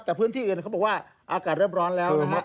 แต่พื้นที่อื่นเขาบอกว่าอากาศเริ่มร้อนแล้วนะฮะ